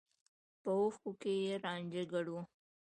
په اوښکو کې يې رانجه ګډ و.